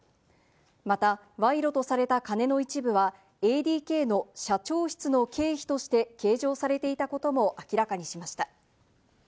また賄賂とされた金の一部はＡＤＫの社長室の経費として計上されていたことも明らかにしました。